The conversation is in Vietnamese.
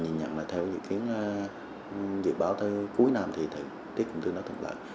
nhìn nhận là theo dự kiến dự báo tới cuối năm thì tiết cũng tương đối thật lợi